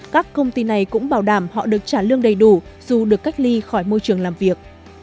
các công ty này cũng bảo đảm họ được trả lương đầy đủ dù được cách ly khỏi môi trường làm việc